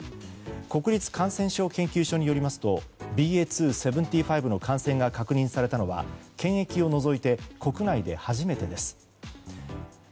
国立感染症研究所によりますとＢＡ．２．７５の感染が確認されたのは検疫を除いて国内で初めてです。